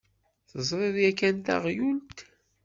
Teẓriḍ yakan taɣyult?